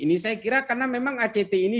ini saya kira karena memang act ini